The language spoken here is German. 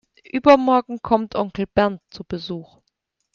Übermorgen kommt Onkel Bernd zu Besuch.